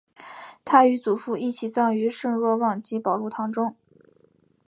他与祖父一起葬于圣若望及保禄堂中。